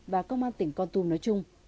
và công an tỉnh con tum nói chung